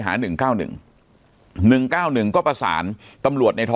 ปากกับภาคภูมิ